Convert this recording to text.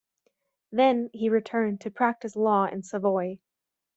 Then he returned to practice law in Savoy.